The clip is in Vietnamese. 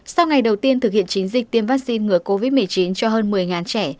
sau ngày đầu tiên thực hiện chiến dịch tiêm vaccine ngừa covid một mươi chín cho hơn một mươi trẻ